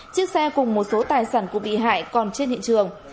chiếc xe cùng một số tài sản của bị hại còn trên hiện trường